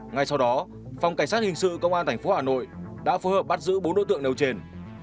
ngay sau đó phòng cảnh sát hình sự công an tp hà nội đã phối hợp bắt giữ bốn đối tượng nêu trên